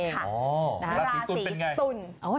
ราศีตุลเป็นไง